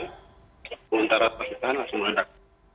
sementara pas ditahan langsung ledak